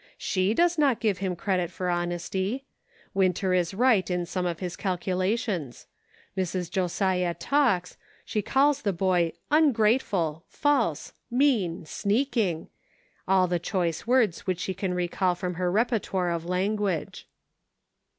She does not give him credit for honesty. Winter is right in some of his calcula tions : Mrs. Josiah talks ; she calls the boy " un grateful," "false," "mean," "sneaking," all the choice words which she can recall from her reper toire of language.